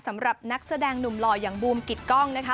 สำหรับนักแสดงหนุ่มหล่ออย่างบูมกิดกล้องนะคะ